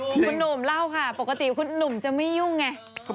คุณหนุ่มเล่าค่ะปกติคุณหนุ่มจะไม่ยุ่งไง